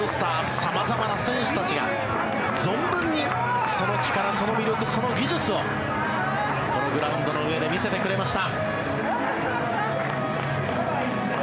様々な選手たちが存分にその力、その魅力その技術をこのグラウンドの上で見せてくれました。